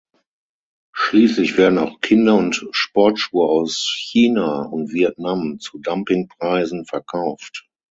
Schließlich werden auch Kinder- und Sportschuhe aus China und Vietnam zu Dumpingpreisen verkauft.